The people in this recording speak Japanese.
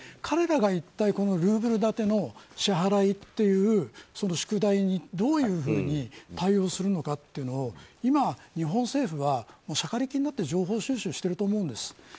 彼らが一体ルーブル建ての支払いという宿題にどういうふうに対応するのかというのを今、日本政府はシャカリキになって情報収集してると思うんです。